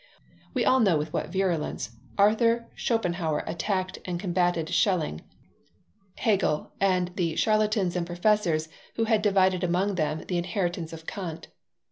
We all know with what virulence Arthur Schopenhauer attacked and combated Schelling, Hegel, and all the "charlatans" and "professors" who had divided among them the inheritance of Kant.